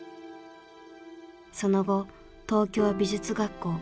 その後東京美術学校